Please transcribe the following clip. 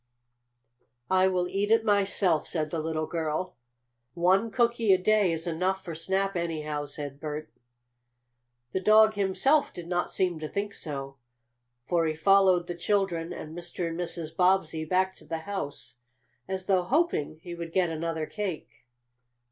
"I will eat it myself," said the little girl. "One cookie a day is enough for Snap, anyhow," said Bert. The dog himself did not seem to think so, for he followed the children and Mr. and Mrs. Bobbsey back to the house, as though hoping he would get another cake.